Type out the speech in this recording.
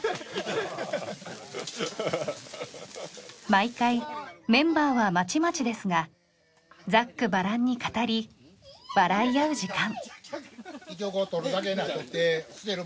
毎回メンバーはまちまちですがざっくばらんに語り笑い合う時間。